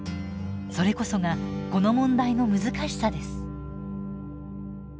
それこそがこの問題の難しさです。